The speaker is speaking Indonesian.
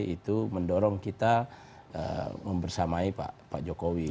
itu mendorong kita membersamai pak jokowi